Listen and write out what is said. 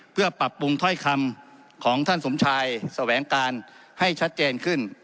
เพื่อปรับปรุงถ้อยคำของท่านสมชายแสวงการให้ชัดเจนขึ้น